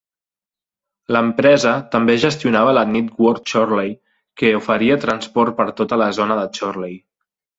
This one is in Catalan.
L'empresa també gestionava la Network Chorley, que oferia transport per tota la zona de Chorley.